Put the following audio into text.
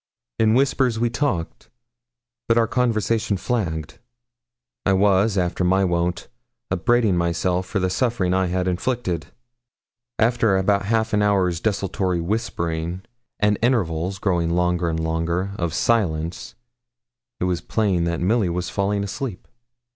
In whispers we talked; but our conversation flagged. I was, after my wont, upbraiding myself for the suffering I had inflicted. After about half an hour's desultory whispering, and intervals, growing longer and longer, of silence, it was plain that Milly was falling asleep.